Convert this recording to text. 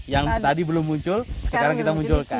yang tadi belum muncul sekarang kita munculkan